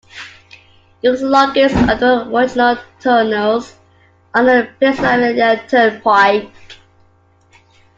It was the longest of the original tunnels on the Pennsylvania Turnpike.